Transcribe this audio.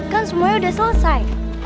kan semuanya udah selesai